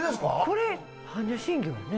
これ般若心経やね。